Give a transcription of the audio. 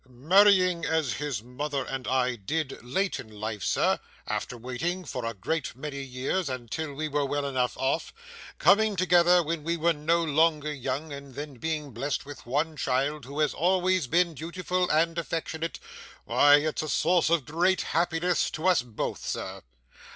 'Marrying as his mother and I did, late in life, sir, after waiting for a great many years, until we were well enough off coming together when we were no longer young, and then being blessed with one child who has always been dutiful and affectionate why, it's a source of great happiness to us both, sir.